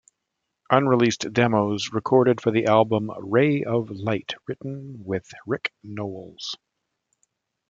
Unreleased demos recorded for the album "Ray of Light" written with Rick Nowels.